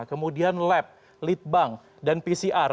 kemudian lab lead bank dan pcr